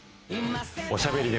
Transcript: おしゃべりで